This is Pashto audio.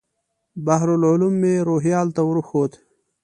بحر العلوم مې روهیال ته ور وښود.